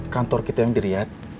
kantor kita yang diriat